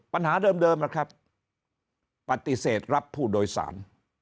ปัญหาเดิมนะครับปฏิเสธรับผู้โดยสาร